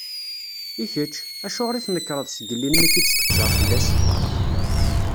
I kečč, acuɣer i tnekreḍ sgellin mi k-id-steqsaɣ fell-as?